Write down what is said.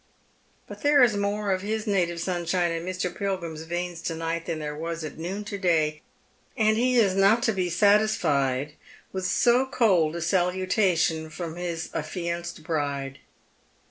But there is more of liis native sunshine in Mr. Pilgrim's veins to night than there was at noon to day, and he is not to be satisfied with so cold a salutation from his affianced bride.